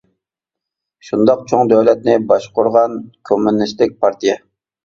-شۇنداق چوڭ دۆلەتنى باشقۇرغان كوممۇنىستىك پارتىيە.